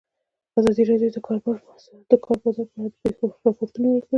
ازادي راډیو د د کار بازار په اړه د پېښو رپوټونه ورکړي.